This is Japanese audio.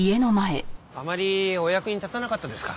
あまりお役に立たなかったですか？